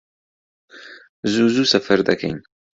زوو زوو سەفەر دەکەین